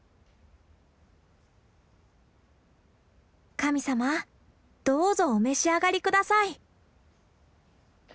神様どうぞお召し上がり下さい。